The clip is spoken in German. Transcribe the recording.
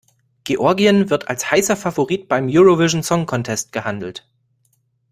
Georgien wird als heißer Favorit beim Eurovision Song Contest gehandelt.